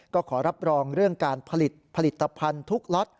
ก็ขอรับรองเรื่องการผลิตผลิตภัณฑ์ทุกล็อต